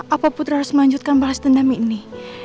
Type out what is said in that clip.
apa putra harus melanjutkan balas dendam ini